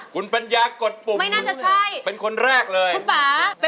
คุณปัญญากดปุ่มเป็นคนแรกเลยคุณป่าไม่น่าจะใช่